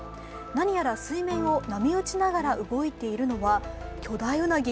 何やら水面を波打ちながら動いているのは巨大うなぎ？